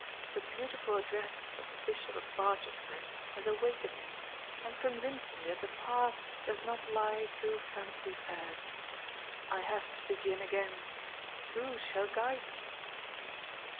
The beautiful address of the Bishop of Barchester has awakened me, and convinced me that the path does not lie through Fancy Fairs. I have to begin again. Who shall guide me?"